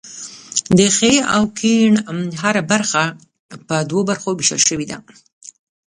د ښي او کیڼ هره برخه په دوو برخو ویشل شوې ده.